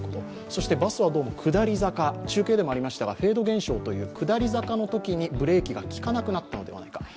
そしてバスは下り坂中継でもありましたが、フェード現象という下り坂のときにブレーキが利かなくなったのではないか。